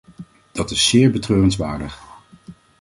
Dat is zeer betreurenswaardig.